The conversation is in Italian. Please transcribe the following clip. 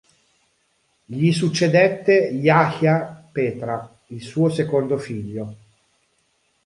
Gli succedette Yahya Petra, il suo secondo figlio.